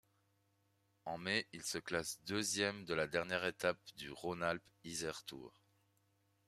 En mai, il se classe deuxième de la dernière étape du Rhône-Alpes Isère Tour.